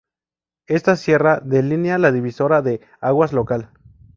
Esta sierra delinea la divisoria de aguas local.